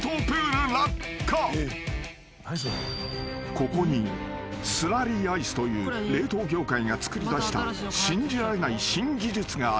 ［ここにスラリーアイスという冷凍業界がつくりだした信じられない新技術がある］